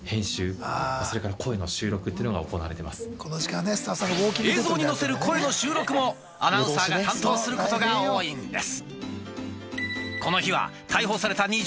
アナウンサーが映像にのせる声の収録もアナウンサーが担当することが多いんです